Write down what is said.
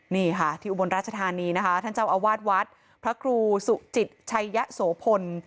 นี่ค่ะที่อุบลราชธานีนะคะท่านเจ้าอาวาสวัดพระครูสุจิตชัยยะโสพล